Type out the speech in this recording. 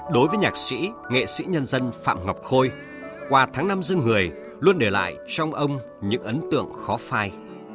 đối với nhạc sĩ nghệ sĩ nhân dân phạm ngọc khôi qua tháng năm dân người luôn để lại trong ông những ấn tượng khó phai